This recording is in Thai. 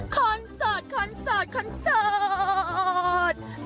คอนเซอร์ตคอนเซอร์ตคอนเซอร์ต